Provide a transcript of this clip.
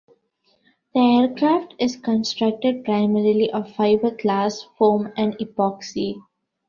The aircraft is constructed primarily of fiberglass, foam, and epoxy.